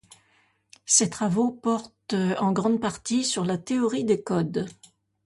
Ses travaux portent en grande partie sur la théorie des codes.